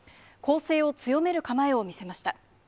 攻勢を強める構えを見せました。